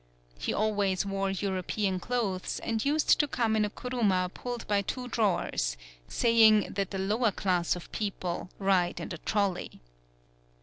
He always wore Euro pean clothes and used to come in a Kuruma pulled by two drawers, saying that the lower class of people ride in the trolley.